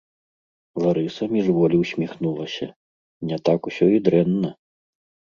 Ларыса міжволі ўсміхнулася: не так усё і дрэнна.